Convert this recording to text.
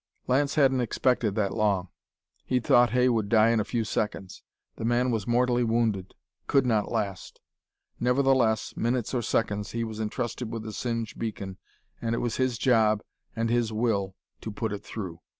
Lance hadn't expected that long. He'd thought Hay would die in a few seconds. The man was mortally wounded; could not last. Nevertheless, minutes or seconds, he was entrusted with the Singe beacon, and it was his job and his will to put it through.